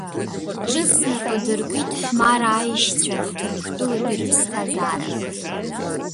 Ҿыц нап адыркит Ҳәмараа аешьцәа Ҭырқәтәылатәи рыԥсҭазаара.